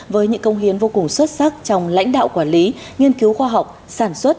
với những công hiến vô cùng xuất sắc trong lãnh đạo quản lý nghiên cứu khoa học sản xuất